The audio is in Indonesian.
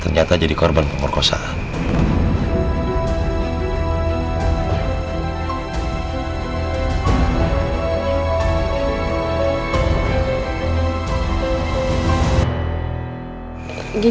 ternyata jadi korban pengorbanan